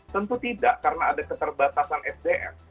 tentu tidak karena ada keterbatasan sdm